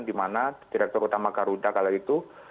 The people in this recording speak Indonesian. di mana direktur utama garuda kala itu